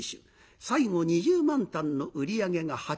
最後２０万反の売り上げが８万４，０００両。